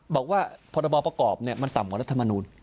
บอกว่าพรบประกอบมันต่ำกว่ารัฐมนูล